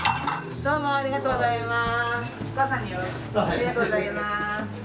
ありがとうございます。